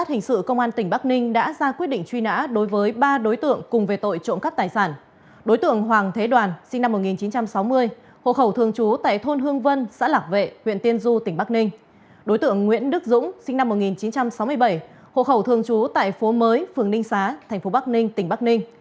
hộ khẩu thường trú tại phố mới phường ninh xá tp bắc ninh tỉnh bắc ninh